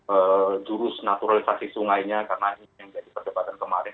e jurus naturalisasi sungainya karena ini yang jadi perdebatan kemarin